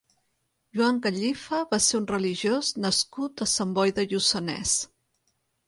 Joan Gallifa va ser un religiós nascut a Sant Boi de Lluçanès.